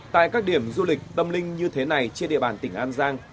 tại các điểm du lịch tâm linh như thế này trên địa bàn tỉnh an giang